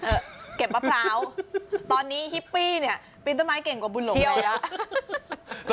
เก็บมะพร้าวตอนนี้ฮิปปี้เนี่ยปีนต้นไม้เก่งกว่าบุญหลงแล้ว